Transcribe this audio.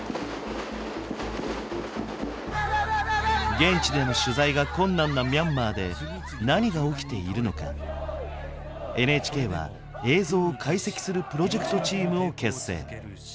現地での取材が困難なミャンマーで何が起きているのかＮＨＫは映像を解析するプロジェクトチームを結成。